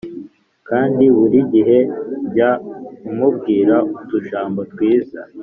kandi buri gihe jya umubwira utujambo twiza.